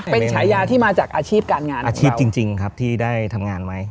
เป็นฉายาที่มาจากอาชีพการงานอาชีพจริงครับที่ได้ทำงานไว้